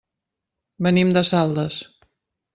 Venim de Saldes.